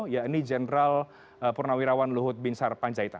yakni jenderal purnawirawan luhut bin sar panjaitan